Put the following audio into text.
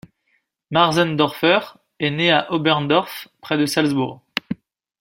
Märzendorfer est né à Oberndorf près de Salzbourg.